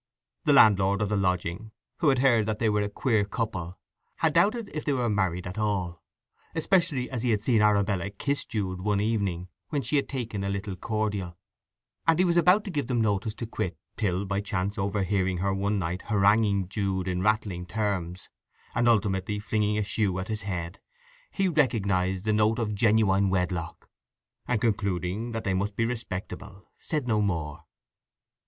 The landlord of the lodging, who had heard that they were a queer couple, had doubted if they were married at all, especially as he had seen Arabella kiss Jude one evening when she had taken a little cordial; and he was about to give them notice to quit, till by chance overhearing her one night haranguing Jude in rattling terms, and ultimately flinging a shoe at his head, he recognized the note of genuine wedlock; and concluding that they must be respectable, said no more.